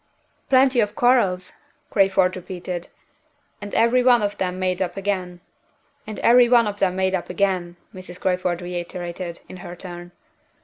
"Plenty of quarrels!" Crayford repeated; "and every one of them made up again." "And every one of them made up again," Mrs. Crayford reiterated, in her turn.